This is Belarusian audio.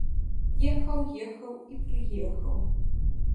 Ехаў, ехаў, і прыехаў.